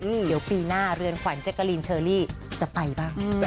เดี๋ยวปีหน้าเรือนขวัญแจ๊กกะลีนเชอรี่จะไปบ้าง